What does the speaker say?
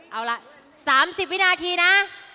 เอาละ๓๐วินาทีนะ